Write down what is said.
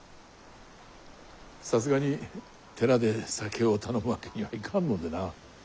さすがに寺で酒を頼むわけにはいかんのでな。